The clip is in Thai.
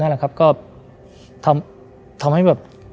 นั่นแหละครับก็ทำทำให้แบบ